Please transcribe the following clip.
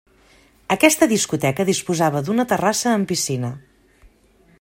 Aquesta discoteca disposava d'una terrassa amb piscina.